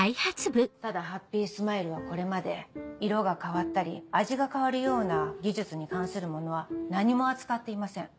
ただハッピースマイルはこれまで色が変わったり味が変わるような技術に関するものは何も扱っていません。